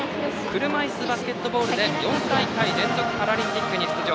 車いすバスケットボールで４大会連続パラリンピックに出場。